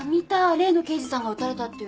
例の刑事さんが撃たれたっていうの。